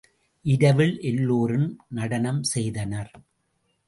இரவில் எல்லோரும் நடனம் செய்தனர்.